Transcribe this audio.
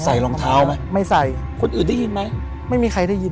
ใส่ลองเท้าไหม